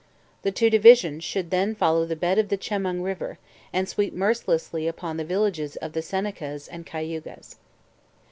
The two divisions should then follow the bed of the Chemung river, and sweep mercilessly upon the villages of the Senecas and Cayugas.